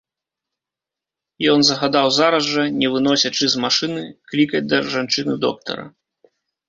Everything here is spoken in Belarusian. Ён загадаў зараз жа, не выносячы з машыны, клікаць да жанчыны доктара.